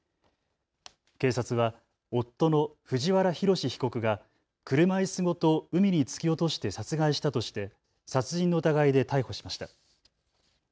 警察は夫の藤原宏被告が車いすごと海に突き落として殺害したとして殺人の疑いで逮捕しました。